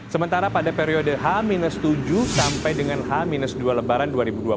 sementara pada periode h tujuh sampai dengan h dua lebaran dua ribu dua puluh tiga